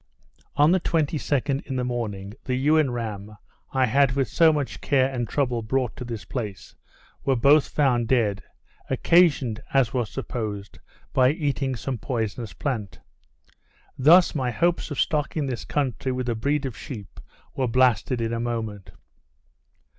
On the 22d in the morning, the ewe and ram, I had with so much care and trouble brought to this place, were both found dead, occasioned, as was supposed, by eating some poisonous plant. Thus my hopes of stocking this country with a breed of sheep, were blasted in a moment.